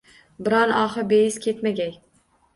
Biron ohi beiz ketmagay